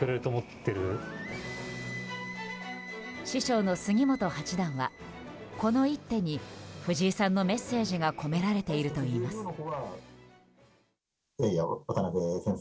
師匠の杉本八段はこの一手に藤井さんのメッセージが込められていると言います。